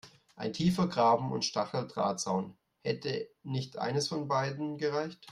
Ein tiefer Graben und Stacheldrahtzaun – hätte nicht eines von beidem gereicht?